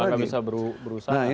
malah nggak bisa berusaha